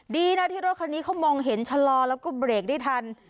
ดีนะที่รถคันนี้เขามองเห็นชะลอแล้วก็เบรกได้ทัน